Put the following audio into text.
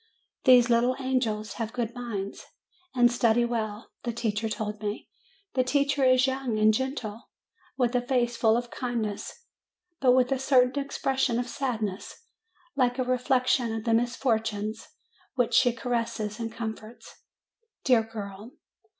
These little angels have good minds, and study well, the teacher told me. The teacher is young and gentle, with a face full of kindness, but with a certain expression of sadness, like a reflection of the misfortunes which she caresses and comforts. Dear girl